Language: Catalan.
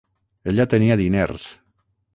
Ella tenia diners